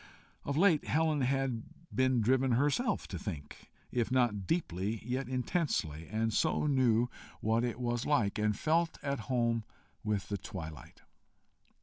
Of late Helen had been driven herself to think if not deeply, yet intensely and so knew what it was like, and felt at home with the twilight.